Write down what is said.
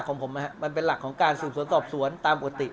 ของผมนะครับมันเป็นหลักของการสืบสวนสอบสวนตามปกติ